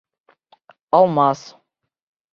Алмас